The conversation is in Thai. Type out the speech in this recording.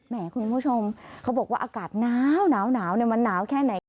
คุณผู้ชมเขาบอกว่าอากาศหนาวมันหนาวแค่ไหน